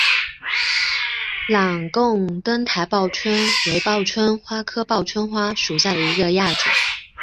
朗贡灯台报春为报春花科报春花属下的一个亚种。